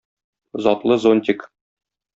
Затлы зонтик.